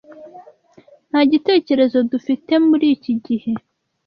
Nta gitekerezo ddufitemuri iki gihe.